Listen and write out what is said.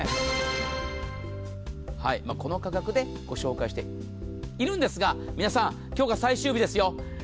この価格でご紹介しているんですが、皆さん、今日が最終日ですよ。